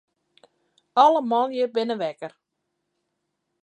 Alle manlju binne wekker.